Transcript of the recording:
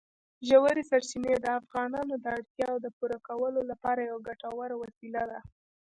ژورې سرچینې د افغانانو د اړتیاوو د پوره کولو لپاره یوه ګټوره وسیله ده.